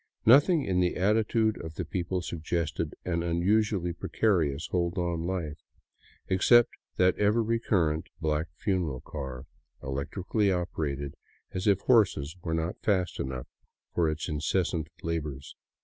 Nothing in the attitude of the people suggested an unusually precarious hold on life — except that ever recurrent black funeral car, electrically operated, as if horses were not fast enough for its incessant labors.